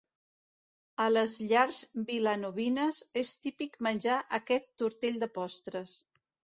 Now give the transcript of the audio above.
A les llars vilanovines és típic menjar aquest tortell de postres.